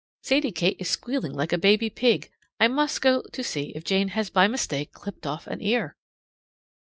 Sadie Kate is squealing like a baby pig. I must go to see if Jane has by mistake clipped off an ear.